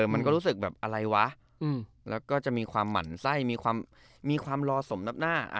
มันก็รู้สึกแบบอะไรวะแล้วก็จะมีความหมั่นไส้มีความรอสมนับหน้า